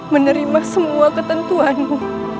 menerima semua ketentuanmu